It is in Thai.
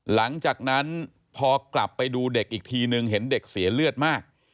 หลังจากนั้นพอกลับไปดูเด็กอีกทีนึงเห็นเด็กเสียเลือดมาก